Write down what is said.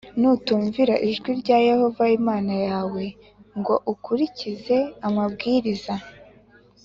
“nutumvira ijwi rya yehova imana yawe ngo ukurikize amabwiriza ,